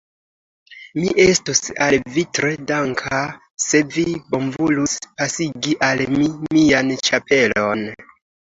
Mi estus al vi tre danka, se vi bonvolus pasigi al mi mian ĉapelon.